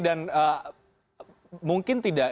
dan mungkin tidak